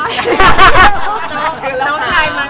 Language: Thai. น้องชายมาน้องชายก็สุดท้าย